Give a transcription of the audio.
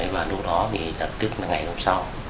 và lúc đó thì tập tức là ngày hôm sau